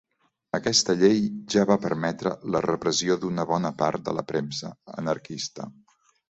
Aquesta llei ja va permetre la repressió d'una bona part de la premsa anarquista.